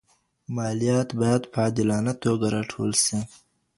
مالیات باید په عادلانه توګه راټول سي.